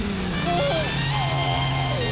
ああ！